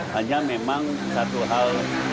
hanya memang satu hal